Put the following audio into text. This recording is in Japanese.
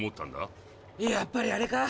やっぱりあれか？